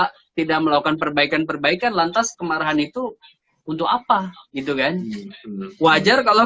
tidak melakukan perbaikan perbaikan lantas kemarahan itu untuk apa gitu kan wajar kalau